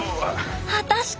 果たして。